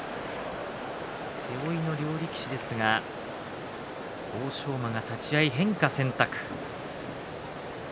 手負いの両力士ですが欧勝馬が立ち合い変化選択。